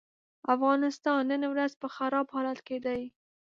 افغانستان نن ورځ په خراب حالت کې دی.